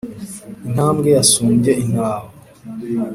intambwe yasumbye intaho